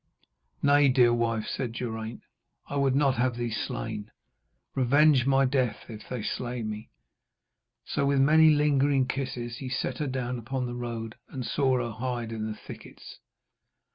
'Nay, dear wife,' said Geraint, 'I would not have thee slain. Revenge my death if they slay me.' So, with many lingering kisses, he set her down upon the road, and saw her hide in the thickets.